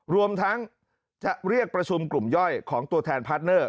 รวมทั้งจะเรียกประชุมกลุ่มย่อยของตัวแทนพาร์ทเนอร์